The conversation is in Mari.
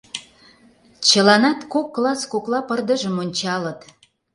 Чыланат кок класс кокла пырдыжым ончалыт.